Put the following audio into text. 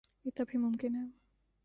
یہ تب ہی ممکن ہے۔